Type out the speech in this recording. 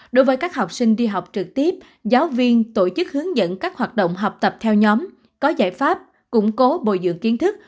đối với các học sinh đi học trực tiếp giáo viên tổ chức hướng dẫn các hoạt động học tập theo nhóm có giải pháp củng cố bồi dưỡng kiến thức